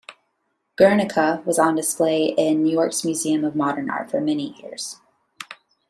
"Guernica" was on display in New York's Museum of Modern Art for many years.